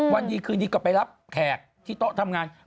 วันดีคืนดีก็ไปรับแขกที่โต๊ะทำงาน